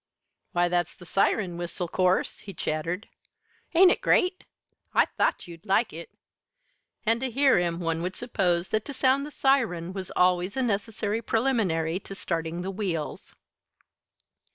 "Why, that's the siren whistle, 'course," he chattered. "Ain't it great? I thought you'd like it!" And to hear him one would suppose that to sound the siren was always a necessary preliminary to starting the wheels.